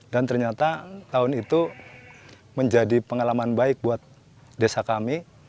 dan ternyata tahun itu menjadi pengalaman baik buat desa kami